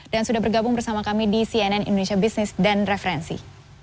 dan sudah bergabung bersama kami di cnn indonesia business dan referensi